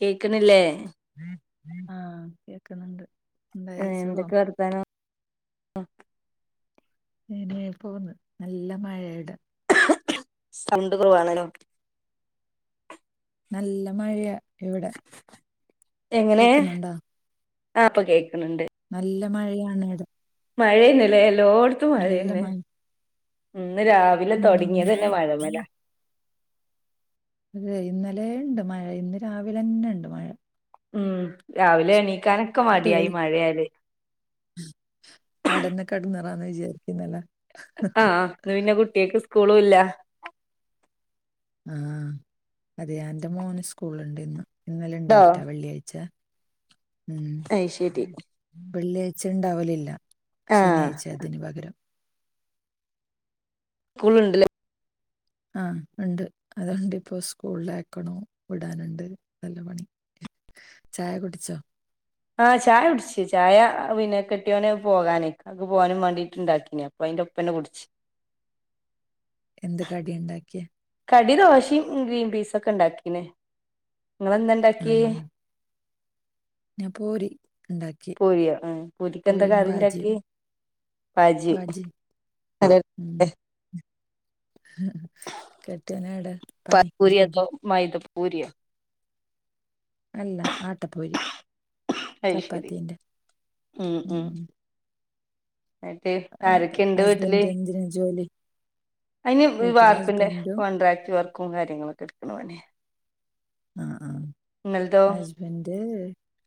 കേക്കണില്ലേ? ആഹ് കേക്ക്ന്നുണ്ട്. ഏഹ് എന്തൊക്കെ വർത്താനം? ങ്ങനെ പോന്ന് നല്ല മഴയാ ഇവിടെ. സൗണ്ട് കുറവ് ആണല്ലോ. നല്ല മഴയാ ഇവിടെ. എങ്ങനെ കേക്കുന്നുണ്ടോ ആ പ്പൊ കേൾക്ക്ണ്ട്. നല്ല മഴയാണ് ഇട മഴയന്നല്ലേ എല്ലോട്ത്തും മഴ തന്നെ ഇന്ന് രാവിലെ തൊടങ്ങ ഉം ങ്ങിയത് തന്നെ മഴ മല അതെ ഇന്നലെ ഇണ്ട് മഴ ഇന്ന് രാവിലെന്നെ ഉണ്ട് മഴ ഉം രാവിലെ എണീക്കാനൊക്കെ മടിയായി മഴയാല് അടന്നെ കെട്ന്നാരാന്ന് വിചാരിക്കുന്നല്ല ആഹ് ആഹ് ഇന്ന് പിന്നെ കുട്ട്യാക്ക് സ്കൂളു ഇല്ല ആഹ് അതെ എന്റെ മോന് സ്കൂളുണ്ട് ഇന്ന് ഇന്നലെ ട്ടോ ഉണ്ടായിറ്റാ വെള്ളിയാഴ്ച ഉം. അയ് ശരി വെള്ളിയാഴ്ച ഉണ്ടാവലില്ല ആഹ് ശനിയാഴ്ച അതിന് പകരം സ്കൂൾ ഉണ്ട്‌ലെ ആഹ് ഉണ്ട്. അതുകൊണ്ട് ഇപ്പോ സ്കൂളിലയക്ക്ണം വിടാനുണ്ട് നല്ല പണി ചായ കുടിച്ചോ? ആഹ് ചായ കുടിച്ചു ചായ പിന്നെ കെട്ടിയോന് പോകാനേ. അവൾക്ക്പോവാനും വേണ്ടീട്ട്ണ്ടാക്കിനേ അപ്പോ അതിന്റെ ഒപ്പം തന്നെ കുടിച്ച് എന്ത് കടി ഉണ്ടാക്കിയേ കടി ദോശയും ഗ്രീൻ പീസ് ഒക്കെ ഉണ്ടാക്കീന് നിങ്ങളെന്താ ആ ഇണ്ടാക്കി ഞാൻ പൂരി ഉണ്ടാക്കി പൂരിയോ ആ പൂരിക്ക് പൂരിയും എന്തകറി ബാജിയും ഉണ്ടാക്കി ബാജി ഉ കെട്ടിയനടാ പ പൂരിയ തോ മൈത പൂരിയോ അല്ല ആട്ടപ്പൂരി അത് ശരി ചപ്പാത്തിന്റെ ഉം ഉ ഉം എന്നിട്ട് ആരൊക്കെയുണ്ട് വീട്ടില് ഹസ്ബൻന്റ് എന്തിന ജോലി അതിന് ഈ വീട്ടിലെ വാർപ്പിന്റെ ഹസ്ബൻഡും കോൺട്രാക്ട് വർക്കും കാര്യങ്ങളൊക്കെ എടുക്കണ പണിയ ആഹ് ആഹ് നിങ്ങൾതോ അവന്റെ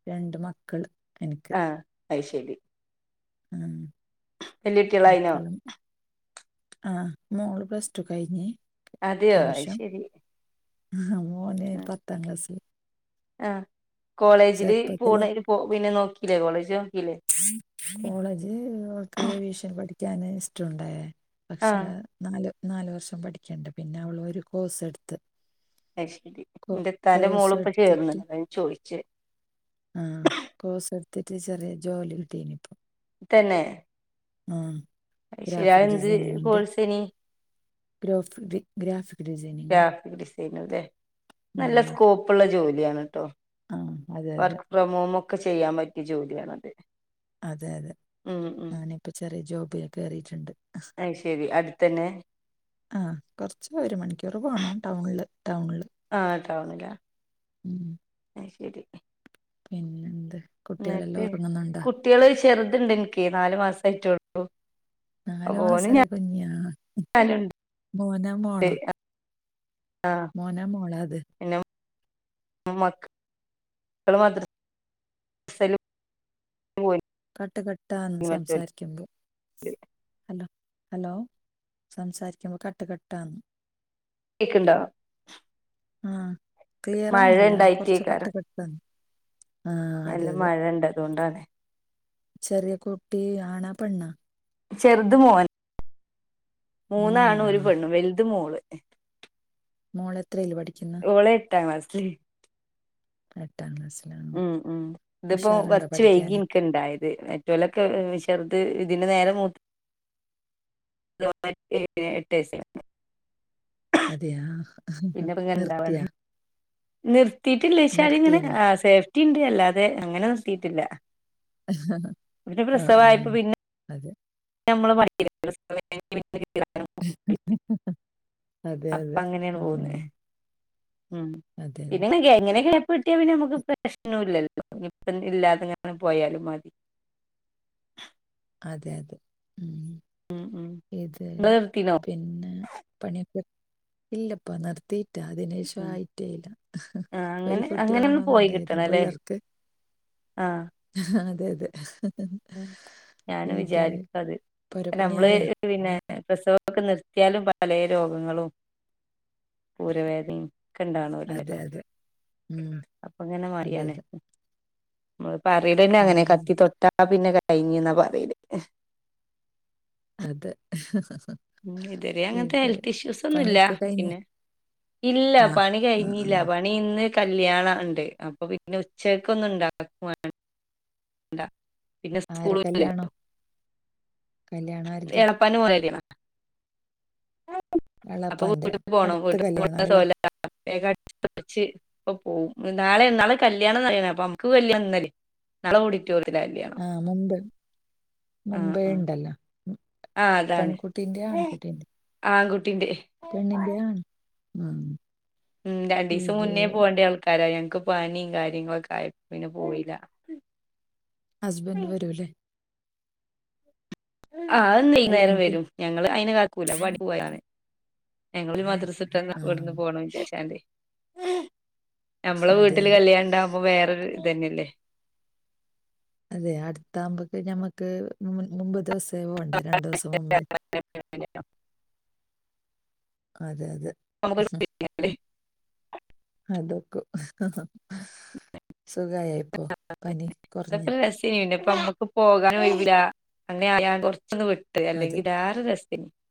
രണ്ട് മക്കള് എനിക്ക് ആഹ് അഐ ശെരി ആം വല്യ കുട്ടികളായിനോ മക്കളും ആഹ് മോള് പ്ലസ്റ്റു കഴിഞ്ഞ് അതെയോ അത് ശരി ആ മോന് പത്താം ക്ലാസില് ആ കോളേജില് ചെറുപ്പത്തിലെ പോണ പോ പിന്നെ നോക്കില്ലേ കോളേജ് നോക്കില്ലേ കോളേജ് അവൾ ക്ക് വിഷൻ പഠിക്കാന് ഇഷ്ടമുണ്ടായ പക്ഷെ ആഹ് നല് നാല് വർഷം പഠിക്കണ്ടെ പിന്നെ അവള് ഒരു കോഴ്സ് എടുത്ത് അയ് ശരി കോ എന്റെത്താന്റെ കോഴ്സ് മോളിപ്പ ചേർന്നു അതാ ഞാൻ ചോയിച്ചേ ആഹ് കോഴ്സ് എടുത്തിട്ട് ചെറിയ ജോലി കിട്ടീനി ഇപ്പം തന്നെ അത് ശരി ഗ്രാഫിക് അതെന്ത് ഡിസൈനിങ്ങിന്റെ കോഴ്സേനി ഗ്രോഫി ഗ്രാഫിക് ഡിസൈനിംഗ് ഗ്രാഫിക് ഡിസൈന അല്ലെ നല്ല സ്കോപ്പുള്ള ജോലിയാണ് കേട്ടോ ആഹ് അതെ അതെ ക്രമവും ഒക്കെ ചെയ്യാൻ പറ്റിയ ജോലിയാണത് അതെ അതെ ഉം ഉം ഞാനിപ്പോ ചെറിയ ജോബില്കേയറിയിട്ടുണ്ട് അയ് ശരി അടുത്തന്നെ ആ കുറച്ച് ഒരു മണിക്കൂർ പോണം ടൗണില് ടൗണില് ആ ടൗണിലാ ഉം ആഹ് ശരി പിന്നെന്ത് കുട്ടികളെല്ലാം എന്നിട്ട് ഉറങ്ങുന്നുണ്ടാ കുട്ടികൾ ചെറുതുണ്ട് എനിക്ക് നാലുമാസമായിട്ടൂള്ളൂ നാലു മാസായ കുഞ്ഞാ മോനോ മോളോ ആഹ് മോ നോ മോള അത് മക്കള് മദ്ദ്രസയില് പോയി കട്ട് കട്ടാന്ന് മറ്റോല് സംസാരിക്കുമ്പോ ഹലോ ഹലോ സംസാരിക്കുമ്പോ കട്ട്കെട്ടാന്ന് കേൾക്കണ്ടോ ആഹ് മഴ ക്ലിയറാന്നില്ല കൊറച്ചു കട്ട് ഉണ്ടായിട്ടേക്കാരം കെട്ടന്നു നല്ല മഴ ഉണ്ട് അതുകൊണ്ടാണ് ചെറിയ കുട്ടി ആണാ പെണ്ണ ചെറുത് മോന് മൂന്നാണ് മോനാ ഒരു ആ. പെണ്ണ് വലുത് മോള് മോൾ എത്രയിൽ പഠിക്കുന്നു അവള് എട്ടാ കസ് എട്ടാം ക്ലാസ്സിലാണ് ഉം ഉം ഇതിപ്പോ ഉഷാറുണ്ടോ കുറച്ച് വൈകി പഠിക്കാന് ഒ ഉണ്ടായത് മറ്റെലൊക്കെ ചെറുത് ഇതിന്റെ നേരെ മ [unintelligible] അതെയാ പിന്നെപ്പ ഇങ്ങനെ നിർത്തിയ ഇണ്ടാവാണ് നിർത്തിയിട്ടില്ല ഇഷാനി ഇങ്ങനെ നിർത്തീനാ ആഹ് സേഫ്റ്റി ഉണ്ട് അല്ലാതെ അങ്ങനെ നിർത്തിയിട്ടില്ല പിന്നെ ആ ആ പ്രസവമായപ്പോ പിന്നെ അതെ നമ്മള് [inaudible] അതെ അപ്പൊ അതെ ആഹ് മ് പിന്നെ ഒക്കെ എങ്ങനെയെങ്കിലും കിട്ടിയാൽ പിന്നെ നമുക്ക് പ്രശ്നം ഇല്ലല്ലോ ഇപ്പം ഇല്ലാതങ്ങെ പോയാലും മതി അതെ അതെ മ് ഉം ഉം ഇത് ഇങ്ങള് നിർത്തിനോ പിന്നെ പണിയിപ്പോ ഇല്ലിപ്പ നിർത്തി അഹ് അതിനേഷം ഉം ആയിട്ടേല്ല ആ ഒരു അങ്ങനെ കുട്ടി അങ്ങനെയാണ് വേണോന്നുണ്ടായിരുന്നു പിള്ളേർക്ക് ആഹ് ആഹ് അതെ അതെ ഞാനും ഇത് വിചാരിക്കും അത് അല്ല നമ്മള് പുരപ്പണിയായ പിന്നെ പ്രസവമൊക്കെ നിർത്തിയാലും പല രോഗങ്ങളും ഉരവേദനയും ഒക്കെ ഇണ്ടാവണോരില്ലെ അതെ ഇപ്പൊ അതെ ഉം അപ്പങ്ങനെ അതെ പറയാണ് അതെ പറയുന്നേ തന്നെ അങ്ങനെയാ ഉം കത്തി തൊട്ടാ പിന്നെ കഴിഞ്ഞീന്നാ പറയല് അതെ മ് ഇതുവരെ അങ്ങനത്തെ ഇത് ഹെൽത്ത് ഇഷ്യൂസ് ഒന്നുമില്ല പണിയൊക്കെ കഴിഞ്ഞ പിന്നെ ഇല്ല ആ പണി ആ ആ. കഴിഞ്ഞില്ല പ ണി ഇന്ന് കല്യാണം ഉണ്ട് അപ്പൊ പിന്നെ ഉച്ചക്ക് ഒന്നും ഉണ്ടാക്കും വേണ്ട ണ്ട പിന്നെ സ്കൂളുകളിലൊ കല്യാണാരുത് ഉപ്പാന്റെ മോൾടെ കല്യാണമ അപ്പൊ എളാപ്പാന്റെ വീട്ടിക്ക് പോണം [inaudible] [inaudible] അടുത്ത കല്യാണം അല്ല ഇപ്പൊ പോവും നാളെ നാളെ കല്യാണന്നയിന അപ്പോം നമുക്ക് വല്യ ഒന്നുല്ലേ നളെ ഒക്കെ ഓഡിറ്റോറിയത്തിൽ കല്യാണം ആഹ് മുമ്പ് ആ മുമ്പേ ആ ഉണ്ടല്ലോ ആ അതാണ് പെൺകുട്ടിന്റം ആൺകുട്ടീന്റെം ആൺകുട്ടിന്റെ പെണ്ണിന്റെയാ ആണി ആഹ് മ് രണ്ടീസം മുന്നേ പോവണ്ട്യാൾക്കാരാ ഞങ്ങക്ക് പനിയും കാര്യങ്ങളൊക്കെ ആയി പിന്നെ പോയില്ല ഹസ്ബൻഡ് വരൂല്ലേ ആഹ് വൈന്നേരം കല്യാണത്തിന് വരും ഞങ്ങള് അയിന് കാക്കൂല പണിക് പോയാണ് ഞങ്ങളൊരു മദ്രസ തന്നെ ആ ഇവിടുന്ന് പോണം വെച്ചാട് നമ്മളെ അതെ വീട്ടില് അതെ കല്യാണ ഇണ്ടാകുമ്പോ വേറൊരു ഇത് തന്നെയല്ലേ അതെ അടുത്താകുമ്പക്ക് ഞമ്മക്ക് മുമ്പ് മുമ്പ് ദിവസേ പോകണ്ടേ രണ്ടു ദിവസം മുമ്പ് ഇതന്നെയല്ലേ അതെ അതെ [inaudible] അതൊക്കു സുഖായൊപ്പോ അതൊക്കെ രസിനുണ്ട് ഇപ്പൊ നമ്മുക്ക് പോകാൻ കഴിയൂല്ല അങ്ങനെ ഞാൻ കുറച്ചൊന്ന് വിട്ട് അതെ അല്ലെങ്കിൽ [unintelligible]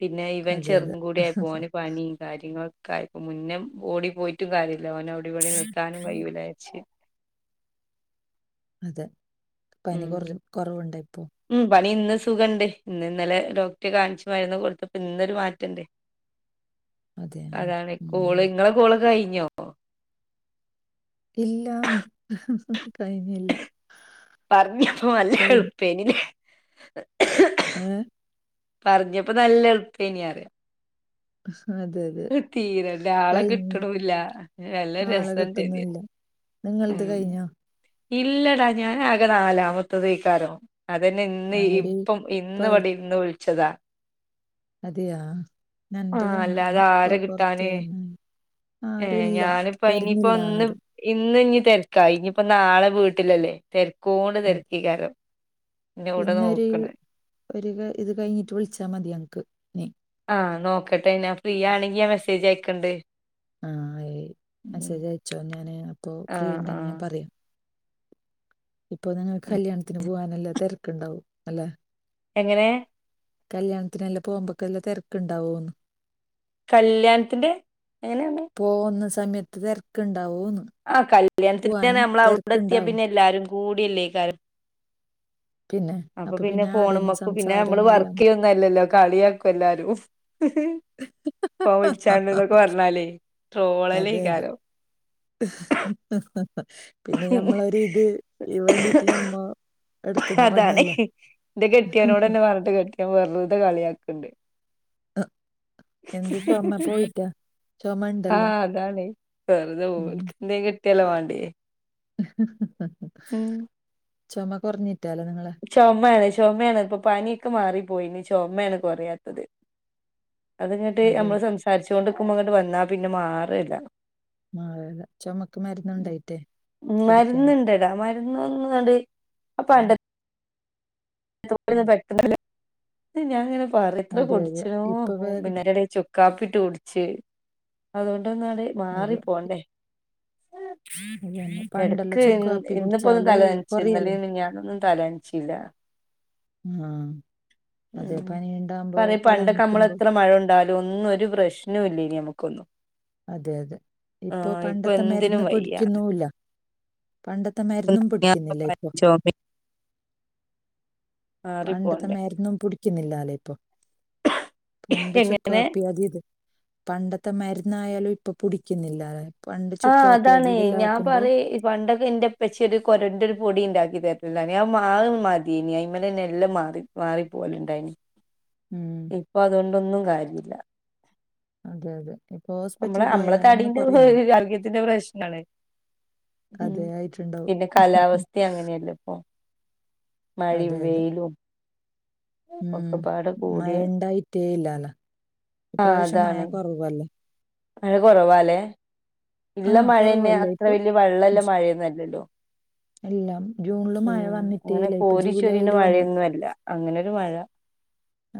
പിന്നെ ഇവൻ അതെ ചെറുതും അതെ കൂടായപ്പൊ ഓന് പനിയും കാര്യങ്ങളൊക്കെ ആയിപ്പോ മുന്നേ ഓടി പോയി ട്ട് കാര്യില്ല ഓനോഅവിടിം ഇവിടിം നിർത്താനും കഴിയൂല വെച്ച് അതെ പനി ഉം കൊറലും കൊറവ്ണ്ടോപ്പോ? ഉം പനി ഇന്ന് സുഖണ്ട് ഇന്ന് ഇന്നലെ ഡോക്ടെ കാൺച്ച് മര്ന്ന് കൊട്ത്തപ്പം ഇന്നൊരു മാറ്റണ്ട്. അതെ ആ. അതാണ് ഉം. കോള് ഇങ്ങളെ കോള് കയിഞ്ഞോ? ഇല്ലാന്ന് കഴിഞ്ഞില്ല. പർഞ്ഞപ്പോ കഴിഞ്ഞ് നല്ലെള്പ്പെനില്ലേ ഏഹ് പർഞ്ഞപ്പോ നല്ലെൾപ്പന്യാറ്യ അതെ അതെ തീരണ്ടെ ആളെ കഴിഞ്ഞ് കിട്ട്ണുല്ല നല്ല രസണ്ടെതായാലും നിങ്ങൾത് കഴിഞ്ഞോ? ഇല്ലടാ ഞാനാകെ നാലാമത്തതേകാരം. അതെന്നെ ആ, ഇന്ന് ഒരു ഇപ്പം പ ഇന്ന് വടിര്ന്ന് വിൾച്ചതാ. അതെയാ ആഹ് ന്നൻ്റെതും അങ്ങനെ ന്നെ അല്ലാതെ കൊ ആരെ കൊർച്ച് കിട്ടാന് [unintelligible] ഏഹ് ആരുല്ല ഞാനിപ്പ ഇനിയിപ്പോ ഇന്ന് വര്ന്നില്ലാരും ഇന്ന് ഞ് തെരക്കായി ഇഞ്പ്പോ നാളെ വീട്ടിലല്ലേ തെരക്കോണ്ട് തെര്ക്കെകാരം ഇന്നൊര് ഒര് ക ഇത് കഴിഞ്ഞിട്ട് വിളിച്ചാൽ മതി ഞമ്മക്ക് ആഹ് നോക്കട്ടെ ഞാൻ ഫ്രീയാണെങ്കി ഞാ മെസ്സേജയക്കണ്ട്. ആഹ് ഏയ് മെസ്സെജയച്ചോ ഞാന് അപ്പൊ ഫ്രീ ആഹ് ഉണ്ടെന്ന് ഞാൻ ആഹ് പറ്യാം ഇപ്പൊ നിങ്ങൾക്ക് കല്യാണത്തിന് പോവാൻ നല്ല തെര്ക്ക്ണ്ടാവും അല്ല എങ്ങനെ കല്യാണത്തിനെല്ലാം പോവുമ്പോക്കെല്ലാം തിര്ക്ക്ണ്ടാവുന്ന്. കല്യാണത്തിന്റെ എങ്ങനെണ് പോവുന്ന സമയത്ത് തെര്ക്ക്ണ്ടാവുന്ന് ആഹ് കല്യാണത്തിന് പിന്നെ ഞമ്മളവടെത്ത്യാ പിന്നെ എല്ലാരും കൂട്യല്ലേകാരം പിന്നെ അപ്പൊ പിന്നെ ഫോണ് ആടന്നെ മ്മക്കും പിന്നെ അമ്മള് സംസാരവും എല്ലാം വർക്കെയ്യു ന്നല്ലല്ലോ കള്യാക്കു എല്ലാരും പ്പ വിളിച്ചാണ്ട് എന്നൊക്കെ പറഞ്ഞാലേ ട്രോളല്ലേ അതെ അതെ ഇക്കാരം പിന്നെ ഞമ്മളൊരിത് എഹ് വേണ്ടീട്ട് ഞമ്മ എടുക്കുന്ന ഹതാണ് പണിയല്ല ഇന്റെ കെട്ട്യൊനൊടെന്നെ പർഞ്ഞിട്ട് കെട്ട്യൊൻ വെറ്തെ കള്യാക്ക്ണ്ട്. എഹ് എന്തേ സ്വർണ പ്പ വിറ്റാ ആഹ് അതാണ് വെറ്തെ ഓൽക്കെന്തേം കിട്ടല്ലേ വാണ്ട്യേ ചൊമ കൊർഞ്ഞിട്ടാലോ നിങ്ങളെ ചൊമെണ് ചൊമെണ് പ്പൊ പന്യൊക്കെ മാറിപ്പോയിണ് ചൊമെണ് കൊറയാത്തത്. അത്ങ്ങട്ട് അതെ അമ്മള് സംസാരിച്ചോണ്ട്ക്ക്മ്പോ ങ്ങട്ട് വന്നാ പിന്നെ മാറെല്ല ആഹ് ചൊമക്ക് മര്ന്ന്ണ്ടായിട്ടെ കുടിക്കാൻ [unintelligible] [unintelligible] ഞാനിങ്ങനെ പറിം എത്ര അതെ അതെ കുടിച്ച്ണോ ഇപ്പൊ വേഗം [unintelligible] കാപ്പിട്ട് കുടിച്ച് അതൊണ്ടൊന്നാട് മാറി അതെ പോണ്ടേ [inaudible] തെടക്ക് വെരും ചുക്ക് കാപ്പി ഇന്ന്പ്പോ ഒന്ന് കുടിച്ചാല് തലനൻച്ച് കൊറിയല് ഇന്നലിം പിഞ്ഞാനൊന്നും തലൻച്ചില്ല. ഉം ഉം പറിം പണ്ടൊക്കെ തലനക്കുമ്പോ അമ്മളെത്ര മഴ കൊ ണ്ടാലൊന്നും ഒരു പ്രശ്നൂലെനി അമ്മക്കൊന്നും അതെ യതെ ഇപ്പൊ പണ്ടത്തെ എന്തിനും മര്ന്ന് വയ്യ പിടിക്കുന്നുല്ല. പണ്ടത്തെ മര്ന്നും പിടിക്കുന്നില്ല ഇപ്പൊ ചുമയും മാറി പണ്ടത്തെ പോണ്ടേ മര്ന്നും പിടിക്കുന്നില്ലാല്ലേ ഇപ്പൊ പണ്ട് ചുക്ക് എങ്ങനെ കാപ്പി അത് തും പണ്ടത്തെ മര്ന്നായാലും ഇപ്പൊ പുടിക്ക്ന്നില്ലാല്ലെ ആഹ് അതാണ് ഞാൻ പറയ ഇ പണ്ടൊക്കെ എന്റെപ്പച്ചി ഒര് കൊരെൻ്റൊരു പൊടി ണ്ടാക്കി തര്ല്ണ്ടായ്നി അത് മാ അത് മാത്യേനി അയ്‌മെലെന്നെ എല്ലാം മാറി മാറിപ്പോവല്ണ്ടായ്നി [unintelligible] ഇപ്പൊ അതുകൊണ്ടൊന്നും കാര്യല്ല അതെ അതെ ഇപ്പൊ ഹോസ്പിറ്റലിൽ നമ്മളെ നമ്മളെ പോയാലെന്നെ തടിന്റെ കുറയുന്നില്ല [unintelligible] പ്രശ്നമാണ് ഉം അതേ ആയിട്ടുണ്ടാവും പിന്നെ കാലാവസ്ഥ അങ്ങനെയല്ലേ ഇപ്പൊ മയിനം അതെ അതെ വെയിലും ഉം ഒക്കെപ്പാടെ മഴ കൂടിയ ഉണ്ടായിട്ടേ ഇല്ലാലോ ആഹ് ഇപാവശ്യം മഴ അതാണ് കുറവല്ലേ മഴ കുറവാല്ലേ ആ ഇല്ലേ മഴേന്നെ കുറവല്ലേ അത്ര ഇപ്പൊ വെല്ല്യെ വള്ളല്ലെ ജു- മഴോന്നല്ലല്ലോ എല്ലാം ജൂണില് ഉ മഴ വന്നിട്ടേ അങ്ങനെ ഇല്ല ഇപ്പൊ കോരി ജൂലൈയിൽ ചൊരിയുന്ന വന്നു മഴയൊന്നുമല്ല അങ്ങനെരു മഴ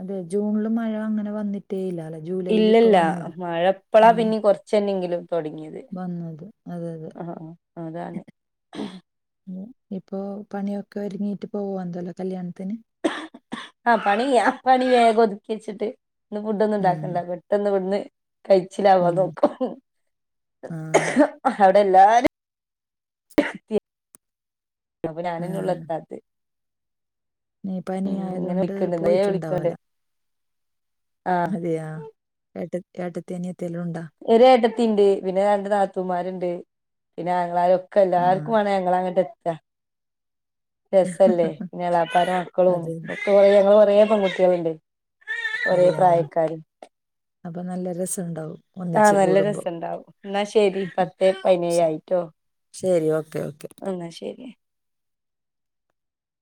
അതെ ജൂണില് മഴ അങ്ങനെ വന്നിട്ടേഇല്ലാലോ ഇല്ലല്ല മഴപ്പളാ പിന്നെ കുറച്ചന്നെങ്കിലും തുടങ്ങിയത് വന്നത് അതെ അതെ അതാണ് ഇപ്പോ പണിയൊക്കെ ഒരുങ്ങിട്ട് പോവാ എന്തല്ലോ കല്യാണത്തിന്. ആഹ പണി പണി വേഗം ഒതുക്കി വെച്ചിട്ട് ഇന്ന് ഫുഡ് ഒന്നും ഉം ഇണ്ടാക്കണ്ട പെ- പെട്ടെന്ന് ഇടുന്ന് കഴിച്ചിലാവാ ഉം നോകാ ആ അവിടെ എല്ലാരും എത്തിയതാ. അപ്പൊ ആ ഞാനന്നെള്ളു എത്താത് നീ പനി ആയത് ഇങ്ങനെ കൊണ്ട് വിളിക്കണ്ട് നേ പോയിട്ടുണ്ടാവല [unintelligible] അതെയ ഏട്ട ഏട്ടത്തി അനിയത്തില്ലണ്ടോ? ഒര് ഏട്ടത്തി ഉണ്ട് പിന്നെ രണ്ട് നാത്തൂമാരുണ്ട് പിന്നെ ആങ്ങളാരൊക്കെ- ആഹ് എല്ലാർക്കും വേ ഞങ്ങള് അങ്ങട്ട് എത്ത- രസല്ലേ പിന്നെ എളാപ്പാര മക്കളും അത് ഒക്കെ കുറ ഞങ്ങള് കുറേ പെൺകുട്ടികളുണ്ടേ അതെയാ അപ്പൊ നല്ല രസണ്ടാവും. ആഹ നല്ല രസണ്ടാവും എന്നാൽ ശരി പത്തെ പതിനേഴ് ശ- ആയിട്ടോ. ശരി ഓക്കെ ഓക്കെ എന്ന ശരി